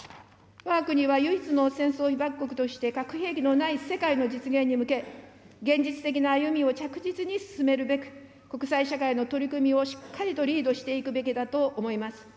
わが国は唯一の戦争被爆国として、核兵器のない世界の実現に向け、現実的な歩みを着実に進めるべく、国際社会の取り組みをしっかりとリードしていくべきだと思います。